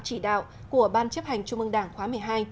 chỉ đạo của ban chấp hành trung ương đảng khóa một mươi hai